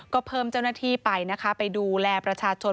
ก็เพิ่มเจ้าหน้าที่ไปนะคะไปดูแลประชาชน